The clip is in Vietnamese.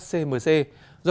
do các khách hàng